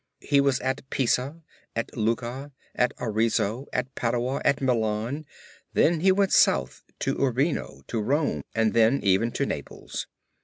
He was at Pisa, at Lucca, at Arezzo, at Padua, at Milan, then he went South to Urbino, to Rome and then even to Naples.